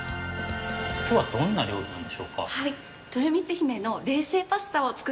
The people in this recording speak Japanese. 今日はどんな料理なんでしょうか？